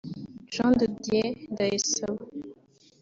Jean de Dieu Ndayisaba